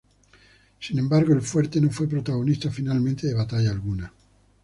Sin embargo, el fuerte no fue protagonista finalmente de batalla alguna.